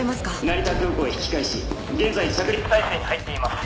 成田空港へ引き返し現在着陸体勢に入っています。